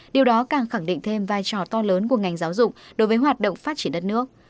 điều đó càng khẳng định thêm vai trò to lớn của ngành giáo dục đối với hoạt động phát triển đất nước